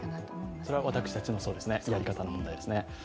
それは私たちもやり方の問題ですね。